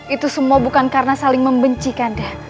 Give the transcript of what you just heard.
itu semua bukan karena saling membenci kanda